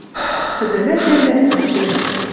Тӹдӹ вӹсен дӓ стучен.